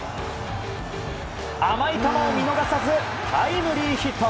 甘い球を見逃さずタイムリーヒット。